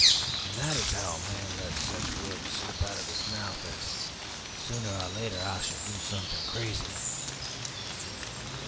And that is how a man lets such words slip out of his mouth as 'Sooner or later I shall do something crazy!'